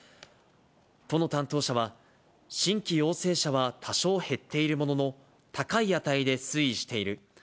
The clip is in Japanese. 都の担当者は、新規陽性者は多少減っているものの、高い値で推移している。